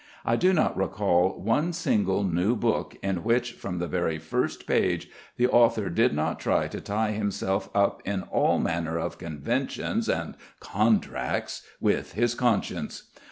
I do not recall one single new book in which from the very first page the author did not try to tie himself up in all manner of conventions and contracts with his conscience.